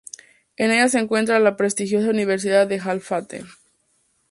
En ella se encuentra la prestigiosa Universidad de Al-Fateh.